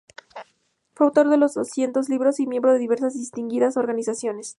Fue autor de unos doscientos libros y miembro de diversas y distinguidas organizaciones.